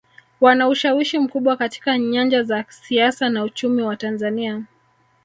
Wana ushawishi mkubwa katika nyanja za siasa na uchumi wa Tanzania